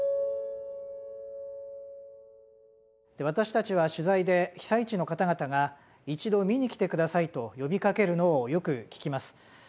私たちは取材で被災地の方々が一度見に来て下さいと呼びかけるのをよく聞きます。